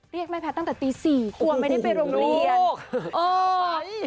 เรียกแม่แพทย์ตั้งแต่ตี๔กลัวไม่ได้ไปโรงเรียน